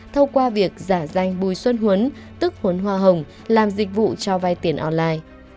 thông qua việc giả danh bùi xuân huấn tức huấn hoa hồng làm dịch vụ cho vay tiền online